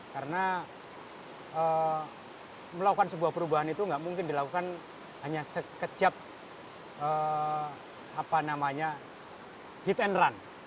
karena melakukan sebuah perubahan itu gak mungkin dilakukan hanya sekejap hit and run